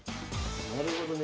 なるほどね。